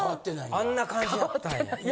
あんな感じやったんや。